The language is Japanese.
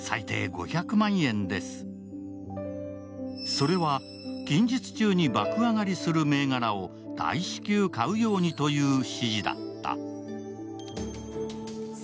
それは、近日中に爆上がりする銘柄を大至急、買うようにという指示だった。